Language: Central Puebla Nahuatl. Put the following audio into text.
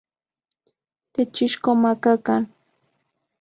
Techixkomakakan.